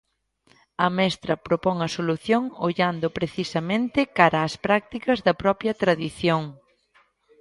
A mestra propón a solución ollando precisamente cara ás prácticas da propia tradición.